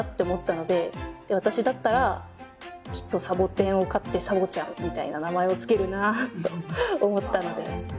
私だったらきっとサボテンを飼ってサボちゃんみたいな名前を付けるなと思ったので。